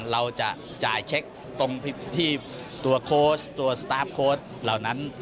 เราจะจ่ายเช็คตรงที่ตัวโค้ชตัวสตาร์ฟโค้ดเหล่านั้น